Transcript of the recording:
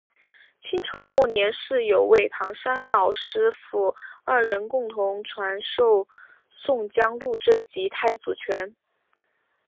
清朝末年是有位唐山老师父二人共同传授宋江鹿阵及太祖拳。